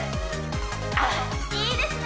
あっいいですね！